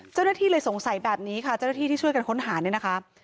เจ้าหน้าที่เลยสงสัยแบบนี้ค่ะเจ้าหน้าที่ที่ช่วยกันค้นหาเนี่ยนะคะ